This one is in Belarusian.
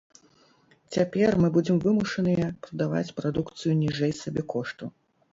Цяпер мы будзем вымушаныя прадаваць прадукцыю ніжэй сабекошту.